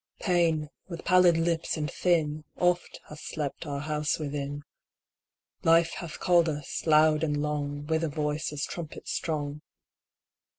Pain, with pallid lips and thin, Oft hath slept our house within ; Life hath called us, loud and long, With a voice as trumpet strong.